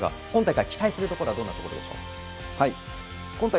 今大会、期待するのはどんなところでしょう？